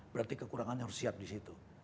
berarti kekurangannya harus siap di situ